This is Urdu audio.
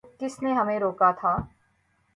تو کس نے ہمیں روکا تھا؟